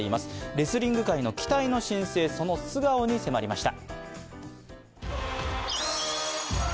レスリング界の期待の新星その素顔に迫りました。